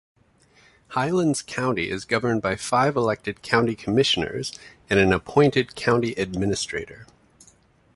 Highlands County is governed by five elected County Commissioners and an appointed County Administrator.